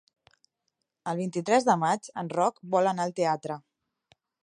El vint-i-tres de maig en Roc vol anar al teatre.